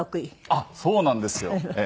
あっそうなんですよ。